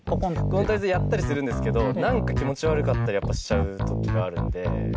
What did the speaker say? クオンタイズやったりするんですけど何か気持ち悪かったりやっぱしちゃう時があるんで。